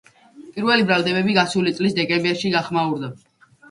პირველი ბრალდებები გასული წლის დეკემბერში გახმაურდა.